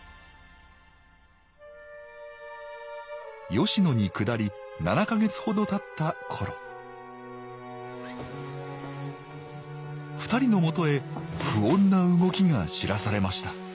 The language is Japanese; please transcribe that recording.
吉野にくだり７か月ほどたった頃２人のもとへ不穏な動きが知らされました